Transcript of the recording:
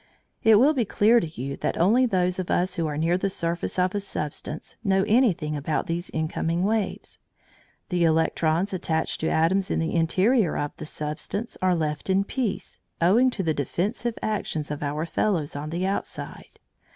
It will be clear to you that only those of us who are near the surface of a substance know anything about these incoming waves. The electrons attached to atoms in the interior of the substance are left in peace, owing to the defensive actions of our fellows on the outside.